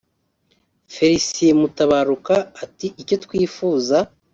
Felicien Mutabaruka ati “Icyo twifuza